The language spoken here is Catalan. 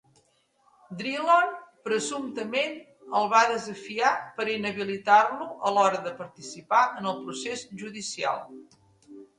Drilon presumptament el va desafiar per a inhabilitar-lo a l'hora de participar en el procés judicial.